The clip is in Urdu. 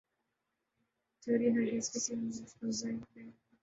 تھیوری ہرگز کسی مفروضے پہ